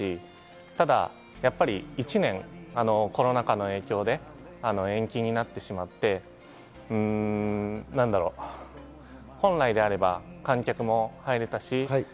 ただ１年コロナ禍の影響で延期になってしまって、本来であれば観客も入れたし。